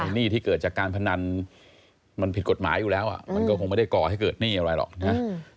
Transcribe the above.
หนี้ที่เกิดจากการพนันมันผิดกฎหมายอยู่แล้วมันก็คงไม่ได้ก่อให้เกิดหนี้อะไรหรอกนะ